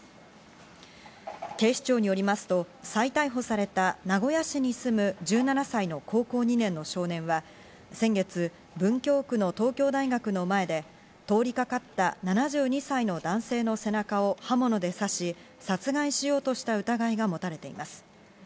警視庁によりますと、再逮捕された名古屋市に住む１７歳の高校２年の少年は、先月、文京区の東京大学の前で通りかかった７２歳の男性の背中を刃物で刺し、殺害しようとした疑いが持たれています。